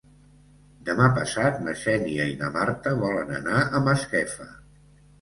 Demà passat na Xènia i na Marta volen anar a Masquefa.